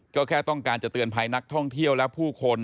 ก็แค่ต้องการจะเตือนภัยนักท่องเที่ยวและผู้คน